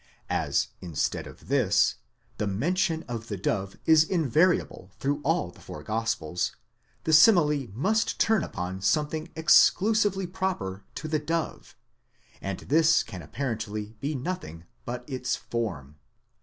As, instead of this, the mention of the dove is invariable through all the four gospels, the simile must turn upon something exclusively proper to the dove, and this can apparently be nothing but its form.